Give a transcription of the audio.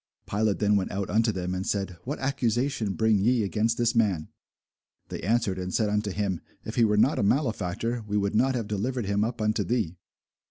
Pilate then went out unto them, and said, What accusation bring ye against this man? They answered and said unto him, If he were not a malefactor, we would not have delivered him up unto thee.